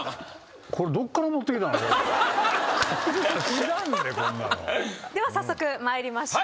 知らんでこんなの。では早速参りましょう。